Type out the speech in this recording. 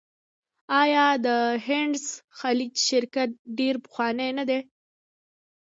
آیا د هډسن خلیج شرکت ډیر پخوانی نه دی؟